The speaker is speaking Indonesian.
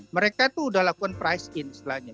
mereka itu sudah lakukan price in setelahnya